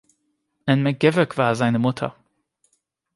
Anne McGavock war seine Mutter.